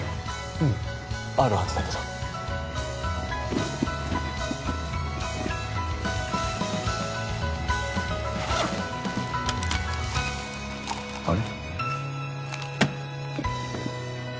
うんあるはずだけどあれ？